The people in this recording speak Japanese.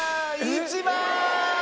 １番！